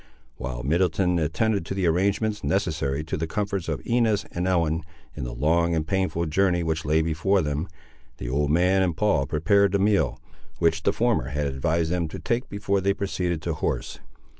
While Middleton attended to the arrangements necessary to the comforts of Inez and Ellen, in the long and painful journey which lay before them, the old man and Paul prepared the meal, which the former had advised them to take before they proceeded to horse.